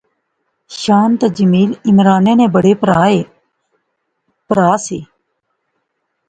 شان تے جمیل عمرانے نے بڑے پرہا سے